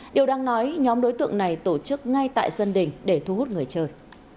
điều đang nói nhóm đối tượng này tổ chức ngay tại sân đỉnh để thu hút người chơi